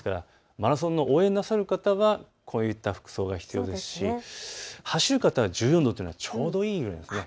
マラソンの応援をなさる方はこういった服装が必要ですし走る方は１４度というのはちょうどいいです。